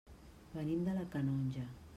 Venim de la Canonja.